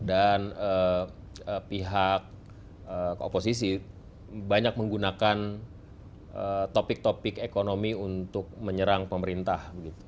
dan pihak oposisi banyak menggunakan topik topik ekonomi untuk menyerang pemerintah